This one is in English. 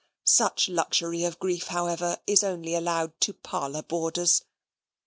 Such luxury of grief, however, is only allowed to parlour boarders.